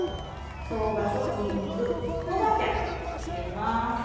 しょうがとにんにく豆板醤を入れます。